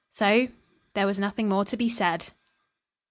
So there was nothing more to be said.